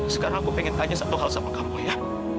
sekarang aku pengen tanya satu hal sama kamu ya